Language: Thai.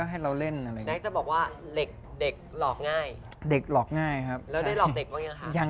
โอ้วเยอะจริง